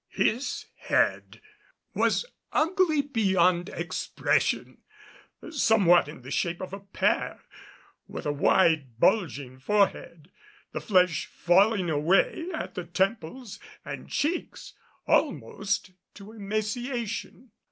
His head was ugly beyond expression, somewhat in the shape of a pear, with a wide bulging forehead, the flesh falling away at the temples and cheeks almost to emaciation.